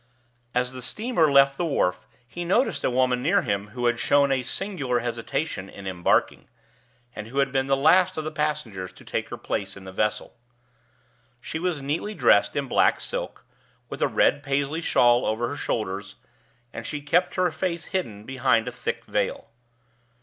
As the steamer left the wharf, he noticed a woman near him who had shown a singular hesitation in embarking, and who had been the last of the passengers to take her place in the vessel. She was neatly dressed in black silk, with a red Paisley shawl over her shoulders, and she kept her face hidden behind a thick veil.